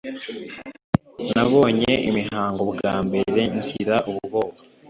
nabonye imihango bwa mbere ngira ubwoba,